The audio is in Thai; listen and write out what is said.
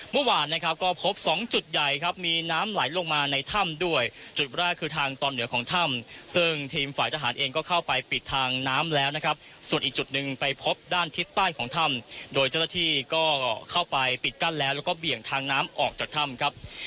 เมื่อวานนะครับก็พบสองจุดใหญ่ครับมีน้ำไหลลงมาในถ้ำด้วยจุดแรกคือทางตอนเหนือของถ้ำซึ่งทีมฝ่ายทหารเองก็เข้าไปปิดทางน้ำแล้วนะครับส่วนอีกจุดหนึ่งไปพบด้านทิศใต้ของถ้ำโดยเจ้าหน้าที่ก็เข้าไปปิดกั้นแล้วแล้วก็เบี่ยงทางน้ำออกจากถ้ำครับ